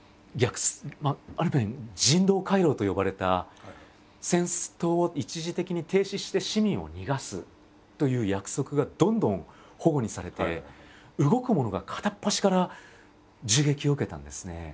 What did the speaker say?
ある面「人道回廊」と呼ばれた戦闘を一時的に停止して市民を逃がすという約束がどんどんほごにされて動くものが片っ端から銃撃を受けたんですね。